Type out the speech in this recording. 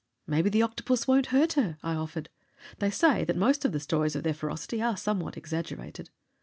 "Maybe the octopus won't hurt her," I offered. "They say that most of the stories of their ferocity are somewhat exaggerated."